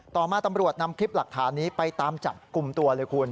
ต่อมาตำรวจนำคลิปหลักฐานนี้ไปตามจับกลุ่มตัวเลยคุณ